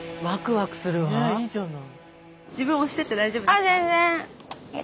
ねいいじゃない。